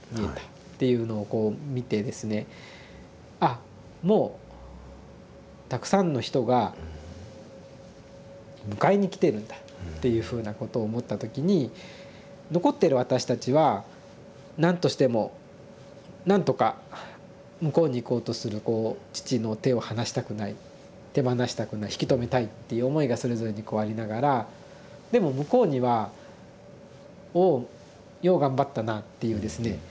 「あもうたくさんの人が迎えに来てるんだ」っていうふうなことを思った時に残ってる私たちは何としても何とか向こうにいこうとするこう父の手を離したくない手放したくない引き止めたいっていう思いがそれぞれにこうありながらでも向こうには「おおよう頑張ったな」っていうですね